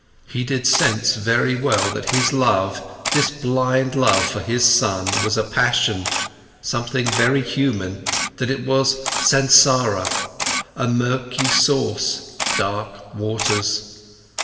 He did sense very well that this love, this blind love for his son, was a passion, something very human, that it was Sansara, a murky source, dark waters.